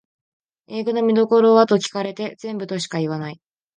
映画の見どころはと聞かれて全部としか言わない